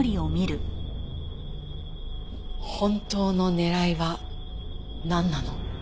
本当の狙いはなんなの？